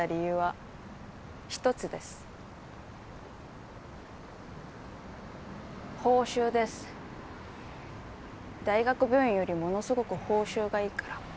大学病院よりものすごく報酬がいいから。